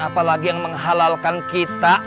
apa lagi yang menghalalkan kita